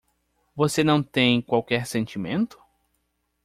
Você não tem qualquer sentimento?